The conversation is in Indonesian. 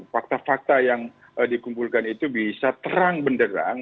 fakta fakta yang dikumpulkan itu bisa terang benderang